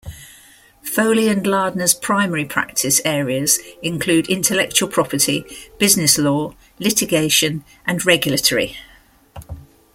Foley and Lardner's primary practice areas include intellectual property, business law, litigation, and regulatory.